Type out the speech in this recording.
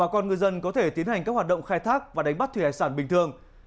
con ngư dân có thể tiến hành các hoạt động khai thác và đánh bắt thủy hải sản bình thường